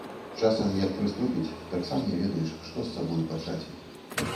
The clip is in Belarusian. Часам, як прыступіць, так сам не ведаеш, што з сабою пачаць.